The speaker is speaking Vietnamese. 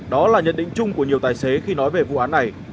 đó là nhận định chung của nhiều tài xế khi nói về vụ án này